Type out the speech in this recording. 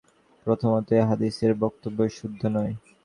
প্রথমত এই হাদীসের বক্তব্যই শুদ্ধ নয়।